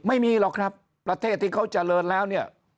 ไม่มีหรอกครับประเทศที่เขาเจริญแล้วเนี่ย